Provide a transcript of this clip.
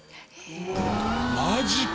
マジか！